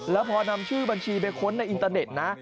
แล้วพอนำชื่อบัญชีไปค้นในอินเตอร์เน็ตนะ